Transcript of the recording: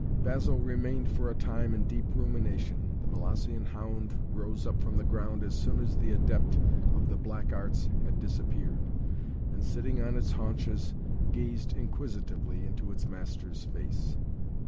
Basil remained for a time in deep rumination. The Molossian hound rose up from the ground as soon as the adept of the black arts had disappeared, and, sitting on its haunches, gazed inquisitively into its master's face.